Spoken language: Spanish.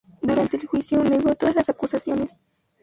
Durante el juicio negó todas las acusaciones.